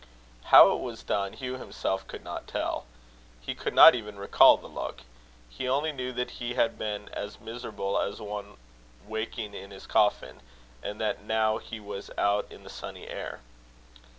How it was done Hugh himself could not tell. He could not even recall the look. He only knew that he had been as miserable as one waking in his coffin, and that now he was out in the sunny air.